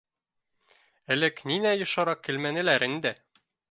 Элек ниңә йышыраҡ килмәнеләр инде!